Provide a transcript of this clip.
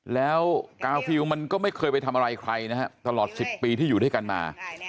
แล้วกาวฟิลมันก็ไม่เคยไปทำอะไรใครนะฮะตลอด๑๐ปีที่อยู่ด้วยกันมา